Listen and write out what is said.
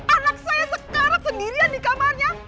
anak saya sekarang sendirian di kamarnya